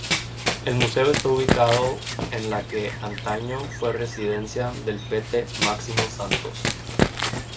El museo está ubicado en la que antaño fue residencia del pete Máximo Santos.